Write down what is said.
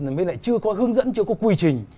thì mới lại chưa có hướng dẫn chưa có quy trình